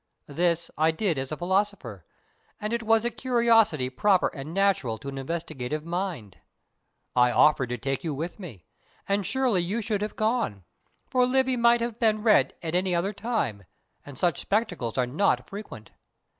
This I did as a philosopher, and it was a curiosity proper and natural to an inquisitive mind. I offered to take you with me, and surely you should have gone; for Livy might have been read at any other time, and such spectacles are not frequent.